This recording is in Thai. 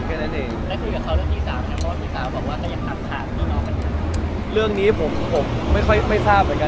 เพราะว่ามันอยู่ด้วยกันไม่ได้มันก็จะมีแต่ปัญหา